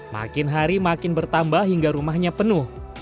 makin hari makin bertambah hingga rumahnya penuh